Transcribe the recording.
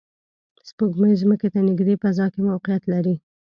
سپوږمۍ ځمکې ته نږدې فضا کې موقعیت لري